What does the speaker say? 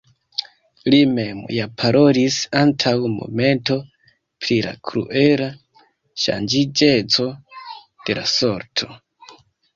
Li mem ja parolis antaŭ momento pri la kruela ŝanĝiĝeco de la sorto!